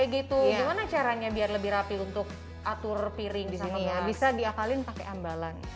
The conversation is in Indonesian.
gitu gimana caranya biar lebih rapi untuk atur piring bisa diakalin pakai ambalan